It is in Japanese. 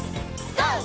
ＧＯ！